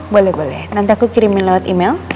boleh boleh nanti aku kirimin lewat email